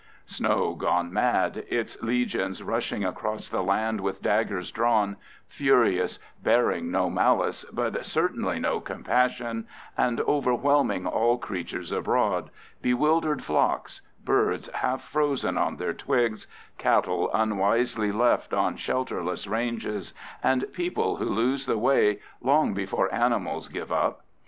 Snow gone mad, its legions rushing across the land with daggers drawn, furious, bearing no malice, but certainly no compassion, and overwhelming all creatures abroad: bewildered flocks, birds half frozen on their twigs, cattle unwisely left on shelterless ranges, and people who lose the way long before animals give up.